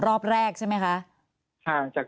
รอบแรกใช่มั้ยคะห่างจาก